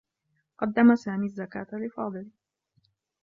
قدّم سامي الزّكاة لفاضل.